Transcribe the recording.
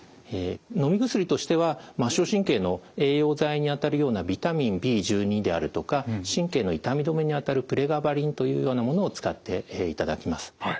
のみ薬としては末しょう神経の栄養剤にあたるようなビタミンＢであるとか神経の痛み止めにあたるプレガバリンというようなものを使っていただきます。